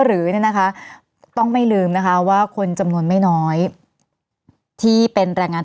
หรือเนี่ยนะคะต้องไม่ลืมนะคะว่าคนจำนวนไม่น้อยที่เป็นแรงงาน